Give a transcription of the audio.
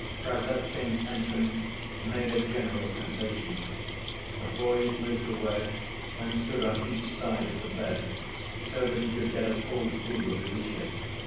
Krassotkin's entrance made a general sensation; the boys moved away and stood on each side of the bed, so that he could get a full view of Ilusha.